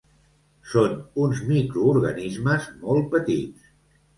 Són uns microorganismes molt petits.